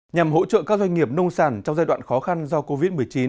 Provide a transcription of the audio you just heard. nhằm hỗ trợ các doanh nghiệp nông sản trong giai đoạn khó khăn do covid một mươi chín